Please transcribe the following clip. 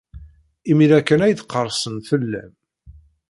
Imir-a kan ay d-qerrsen fell-am.